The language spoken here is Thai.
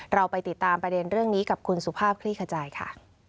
เราไปติดตามประเด็นเรื่องนี้กับคุณสุภาพคลี่ขจายค่ะ